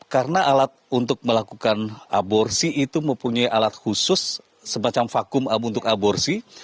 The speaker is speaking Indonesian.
karena alat untuk melakukan aborsi itu mempunyai alat khusus semacam vakum untuk aborsi